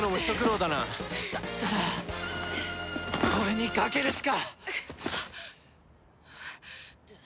だったらこれに賭けるしか！